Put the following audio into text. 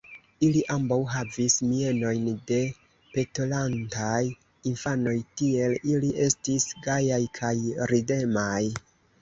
Ili ambaŭ havis mienojn de petolantaj infanoj, tiel ili estis gajaj kaj ridemaj.